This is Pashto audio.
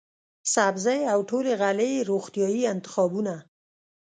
سبزۍ او ټولې غلې روغتیايي انتخابونه،